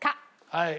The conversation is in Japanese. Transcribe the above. はい。